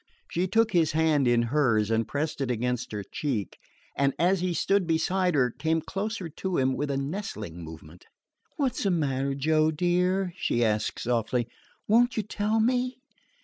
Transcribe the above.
She took his hand in hers and pressed it against her cheek, and as he stood beside her came closer to him with a nestling movement. "What is the matter, Joe dear?" she asked softly. "Won't you tell me?"